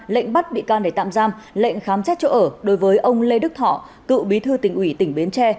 lệnh bắt bị can để tạm giam lệnh khám xét chỗ ở đối với ông lê đức thọ cựu bí thư tỉnh ủy tỉnh bến tre